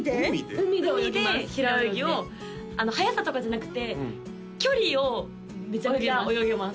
海で平泳ぎを速さとかじゃなくて距離をめちゃめちゃ泳げます